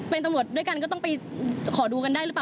เป็นตำรวจด้วยกันก็ต้องไปขอดูมนัอยังไงล่ะเป้ย